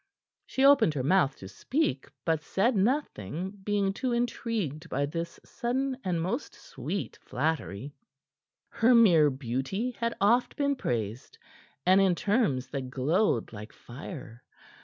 She opened her mouth to speak, but said nothing, being too intrigued by this sudden and most sweet flattery. Her mere beauty had oft been praised, and in terms that glowed like fire.